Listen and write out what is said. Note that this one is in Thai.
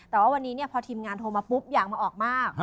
แต่ว่าวันนี้พอทีมงานโทรมาปุ๊บอยากมาออกมาก